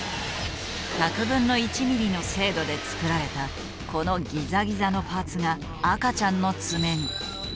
１００分の１ミリの精度で作られたこのギザギザのパーツが赤ちゃんのツメに。